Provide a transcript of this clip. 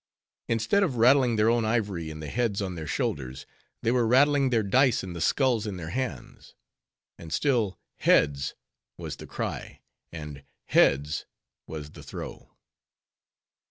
Instead of rattling their own ivory iii the heads on their shoulders, they were rattling their dice in the skulls in their hands. And still "Heads," was the cry, and "Heads," was the throw.